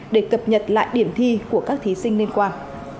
để cập nhật lại điểm thi của các thí sinh liên quan